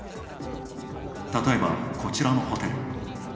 例えば、こちらのホテル。